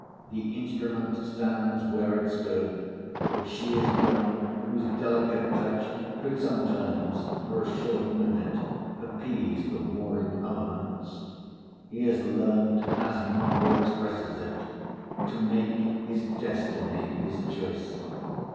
The instrument stands where it stood, but she is gone, whose delicate touch could sometimes for a short minute appease the warring elements. He has learnt, as Marvel expresses it, to "make his destiny his choice."